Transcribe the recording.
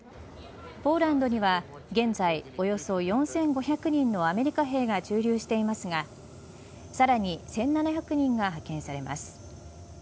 ポーランドには現在およそ４５００人のアメリカ兵が駐留していますがさらに１７００人が派遣されます。